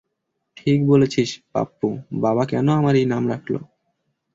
ঠিক বলেছিস পাপ্পু, বাবা কেন আমার এই নাম রাখলো?